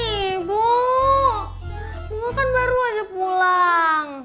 ibu ibu kan baru aja pulang